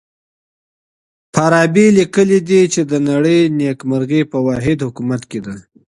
فارابي ليکلي دي چي د نړۍ نېکمرغي په واحد حکومت کي ده.